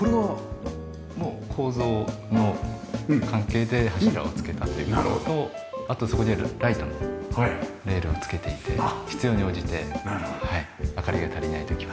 もう構造の関係で柱を付けたっていうのとあとそこにあるライトのレールを付けていて必要に応じて明かりが足りない時は。